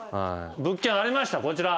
物件ありましたこちら。